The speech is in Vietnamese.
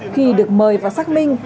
khi được mời vào sắc minh